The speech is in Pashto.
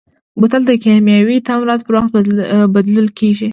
بوتل د کیمیاوي تعاملاتو پر وخت بدلول کېږي.